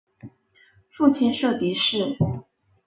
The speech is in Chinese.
父亲厍狄峙。